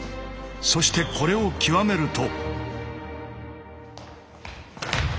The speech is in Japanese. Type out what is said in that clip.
そしてこれを極めると。